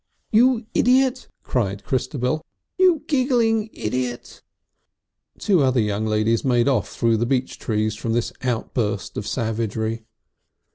"You idiot!" cried Christabel. "You giggling Idiot!" Two other young ladies made off through the beech trees from this outburst of savagery.